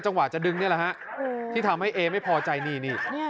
กว่าจะดึงนี่แหละฮะที่ทำให้เอไม่พอใจนี่นี่